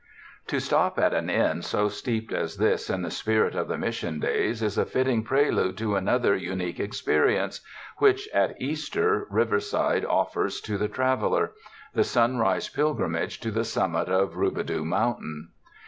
To stop at an inn so steeped as this in the spirit of the Mission days is a fitting prelude to another unique experience which, at Easter, Riverside of fers to the traveler — the Sunrise Pilgrimage to the summit of Rubidoux Mountain.